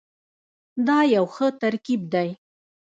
دا یو ښه ترکیب دی.